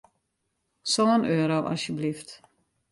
Sân euro, asjeblyft.